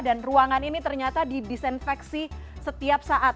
dan ruangan ini ternyata di disinfeksi setiap saat